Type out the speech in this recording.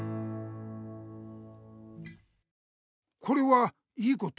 これは良いこと？